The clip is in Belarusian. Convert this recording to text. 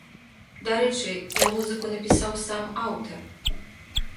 Дарэчы, і музыку напісаў сам аўтар.